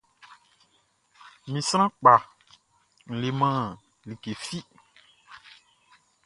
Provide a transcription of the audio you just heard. Mi sran kpa n leman like fi.